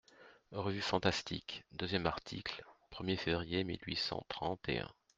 _Revue Fantastique_, deuxième article, premier février mille huit cent trente et un.